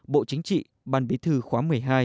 bộ chính trị ban bí thư khóa một mươi hai